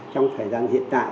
trong thời gian hiện tại